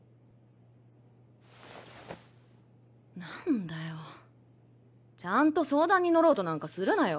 何だよちゃんと相談に乗ろうとなんかするなよ。